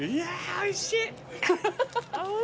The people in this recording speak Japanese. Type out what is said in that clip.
おいしい。